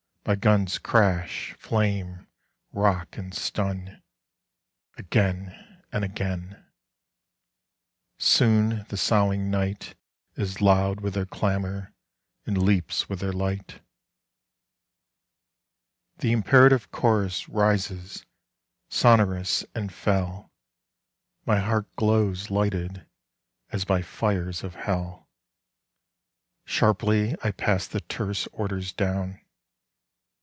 My guns crash, flame, rock and stun Again and again. Soon the soughing night Is loud with their clamour and leaps with their light. The imperative chorus rises sonorous and fell: My heart glows lighted as by fires of hell. Sharply I pass the terse orders down.